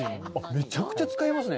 めちゃくちゃ使いますね。